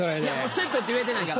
「セット」って言えてないから。